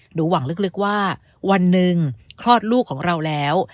หวังลึกว่าวันหนึ่งคลอดลูกของเราแล้ว